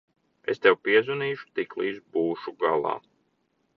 Es tev piezvanīšu, tiklīdz būšu galā.